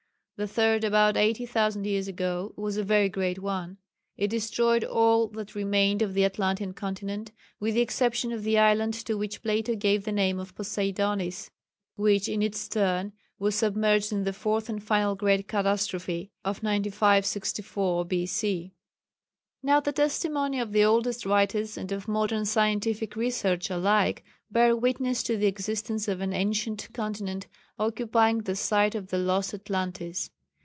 The third about 80,000 years ago was a very great one. It destroyed all that remained of the Atlantean continent, with the exception of the island to which Plato gave the name of Poseidonis, which in its turn was submerged in the fourth and final great catastrophe of 9,564 B.C. Now the testimony of the oldest writers and of modern scientific research alike bear witness to the existence of an ancient continent occupying the site of the lost Atlantis.